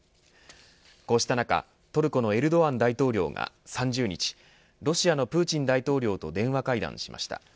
こうした中、トルコのエルドアン大統領が３０日ロシアのプーチン大統領と電話会談しました。